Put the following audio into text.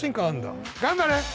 頑張れ！